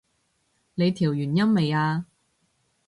你調完音未啊？